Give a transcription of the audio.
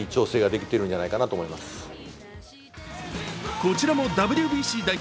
こちらもＷＢＣ代表